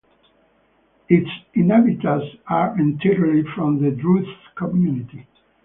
Its inhabitants are entirely from the Druze community.